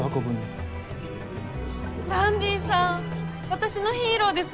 私のヒーローです。